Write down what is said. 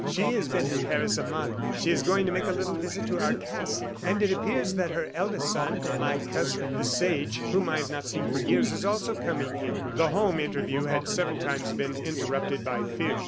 "She has been in Paris a month. She is going to make a little visit to our castle. And it appears that her eldest son my cousin, 'The Sage,' whom I have not seen for years is also coming here." The home interview had several times been interrupted by fear.